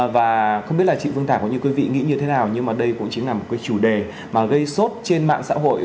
và không biết là chị phương thảo cũng như quý vị nghĩ như thế nào nhưng mà đây cũng chính là một cái chủ đề mà gây sốt trên mạng xã hội